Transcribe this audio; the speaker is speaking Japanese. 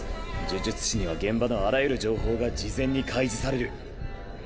呪術師には現場のあらゆる情報が事前に開示される。